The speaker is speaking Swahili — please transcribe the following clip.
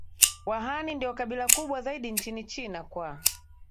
Wahan ndio kabila kubwa zaidi nchini China kwa